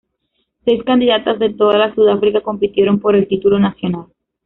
Seis candidatas de toda la Sudáfrica compitieron por el título nacional.